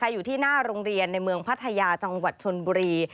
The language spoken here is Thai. อยู่ที่หน้าโรงเรียนในเมืองพัทยาจังหวัดชนบุรี